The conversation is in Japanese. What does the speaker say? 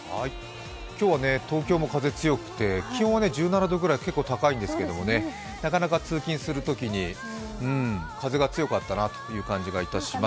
今日は東京も風が強くて気温は１７度くらい結構高いんですけど、なかなか通勤するときに風が強かった気がします。